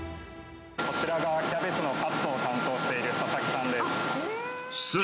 こちらがキャベツのカットを担当しているササキさんです。